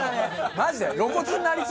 マジで。